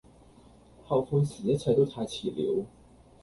後悔時一切都太遲了